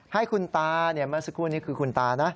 ให้คุณตาเมื่อสักครู่นี้คือคุณตานะ